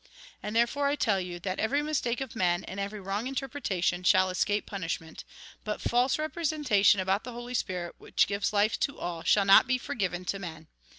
" And therefore I tell you, that every mistake of men, and every wrong interpretation, shall escape punishment ; but false representation about the Holy Spirit, which gives life to all, shall not be forgiven to men.